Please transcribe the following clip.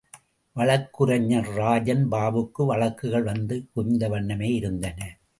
வழக்குரைஞர் ராஜன் பாபுவுக்கு வழக்குகள் வந்து குவிந்த வண்ணமே இருந்தன.